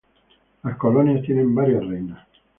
Las colonias tienen varias reinas.